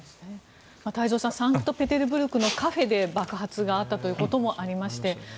太蔵さんサンクトペテルブルクのカフェで爆発があったということもありまして